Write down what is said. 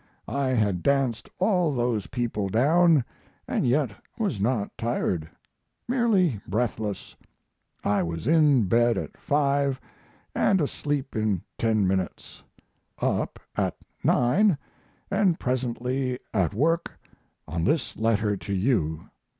I had danced all those people down & yet was not tired; merely breathless. I was in bed at 5 & asleep in ten minutes. Up at 9 & presently at work on this letter to you.